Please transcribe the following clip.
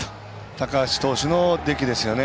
高橋投手の出来ですよね。